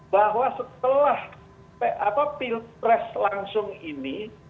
bahwa setelah pilpres langsung ini